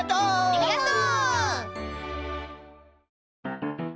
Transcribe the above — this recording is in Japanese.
ありがとう！